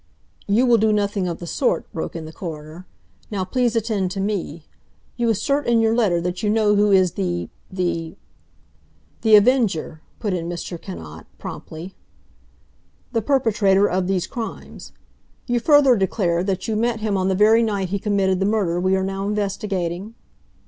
"You will do nothing of the sort," broke in the coroner. "Now, please attend to me. You assert in your letter that you know who is the—the—" "The Avenger," put in Mr. Cannot promptly. "The perpetrator of these crimes. You further declare that you met him on the very night he committed the murder we are now investigating?"